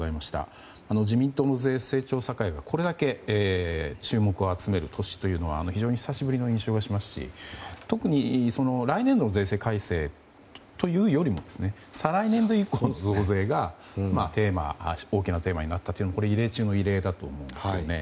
自民党の税制調査会がこれだけ注目を集める年は非常に久しぶりの印象がしますし特に来年度の税制改正というよりも再来年度以降の増税が大きなテーマになったのも異例中の異例だと思うんですね。